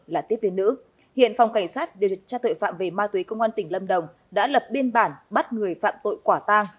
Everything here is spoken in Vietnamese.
là tiếp viên nữ hiện phòng cảnh sát điều tra tội phạm về ma túy công an tỉnh lâm đồng đã lập biên bản bắt người phạm tội quả tang